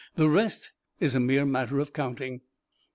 The rest is a mere matter of counting."